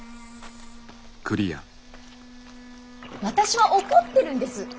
私は怒ってるんです。